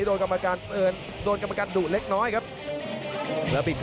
จิบลำตัวไล่แขนเสียบใน